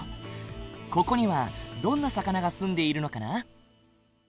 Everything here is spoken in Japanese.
ここにはどんな魚が住んでいるのかな？